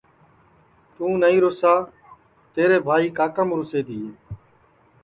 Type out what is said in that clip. توں نائی روسا تیرے بھائی کاکام روسے تیے